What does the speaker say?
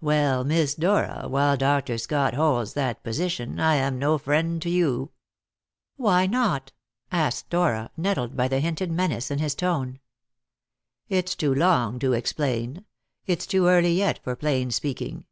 "Well, Miss Dora, while Dr. Scott holds that position, I am no friend to you." "Why not?" asked Dora, nettled by the hinted menace in his tone. "It's too long to explain; it's too early yet for plain speaking.